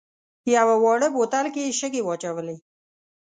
یوه واړه بوتل کې یې شګې واچولې.